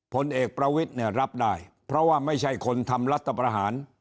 ผลเอกประวิทย์เนี่ยรับได้เพราะว่าไม่ใช่คนทำรัฐประหาร